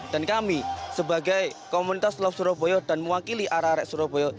dan kami sebagai komunitas love surabaya dan mewakili arah arah surabaya